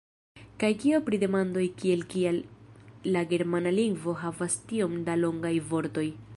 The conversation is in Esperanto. Kaj kio pri demandoj kiel Kial la germana lingvo havas tiom da longaj vortoj?